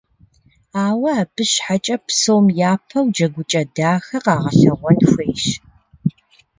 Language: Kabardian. Ауэ абы щхьэкӀэ, псом япэу джэгукӀэ дахэ къагъэлъэгъуэн хуейщ.